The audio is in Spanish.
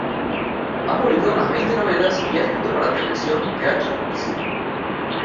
Ha publicado unas veinte novelas y ha escrito para televisión, teatro y cine.